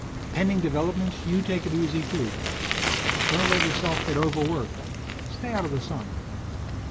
Pending developments you take it easy, too. Don't let yourself get overworked. Stay out of the sun.